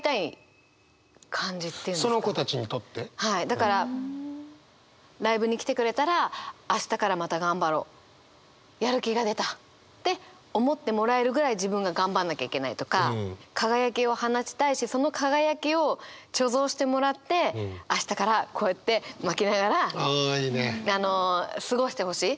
だからライブに来てくれたら明日からまた頑張ろうやる気が出たって思ってもらえるぐらい自分が頑張んなきゃいけないとか輝きを放ちたいしその輝きを貯蔵してもらって明日からこうやってまきながら過ごしてほしい。